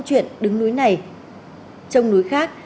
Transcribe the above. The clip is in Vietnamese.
câu chuyện đứng núi này trong núi khác